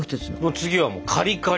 次はもう「カリカリ」！